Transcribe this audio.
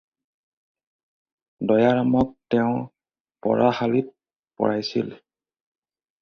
দয়াৰামক তেওঁ পঢ়াশালিত পঢ়াইছিল।